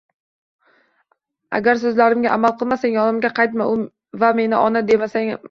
Agar so'zlarimga amal qilmasang, yonimga qaytma va meni ona demagaysan o'g'lim!